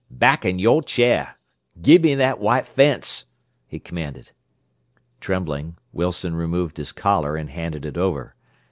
"Back in your chair! Give me that white fence!" he commanded. Trembling, Wilson removed his collar and handed it over.